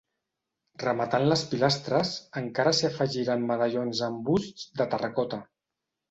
Rematant les pilastres, encara s'hi afegiren medallons amb busts de terracota.